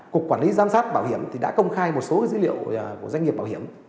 cục quản lý giám sát bảo hiểm thì đã công khai một số dữ liệu của doanh nghiệp bảo hiểm